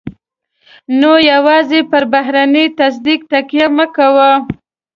نو يوازې پر بهرني تصديق تکیه مه کوئ.